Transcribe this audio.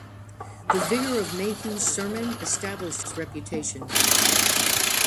The vigor of Mayhew's sermon established his reputation.